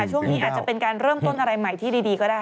ช่วงนี้อาจจะเป็นการเริ่มต้นอะไรใหม่ที่ดีก็ได้